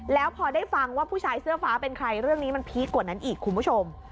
แล้วพอได้ฟังว่าผู้ชายเสื้อฟ้าเป็นใครเรื่องนี้มันพีคกว่านั้นอีกคุณผู้ชม